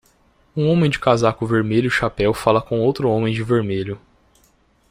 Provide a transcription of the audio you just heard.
Um homem de casaco vermelho e chapéu fala com outro homem de vermelho.